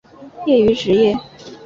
业余职业